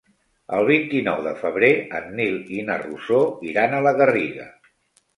El vint-i-nou de febrer en Nil i na Rosó iran a la Garriga.